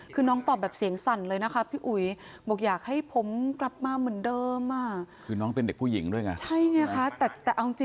คือน้องตอบแบบเสียงสั่นเลยนะคะพี่อุ๋ยบอกอยากให้ผมกลับมาเหมือนเดิม